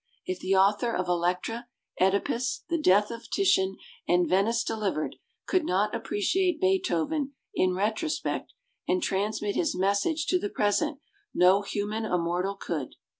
If the author of "Elektra", "(Edipus", "The Death of Titian", and "Venice Delivered" could not appreciate Beethoven in retrospect and transmit his message to the pres ent, no human immortal could.